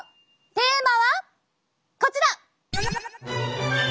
テーマはこちら！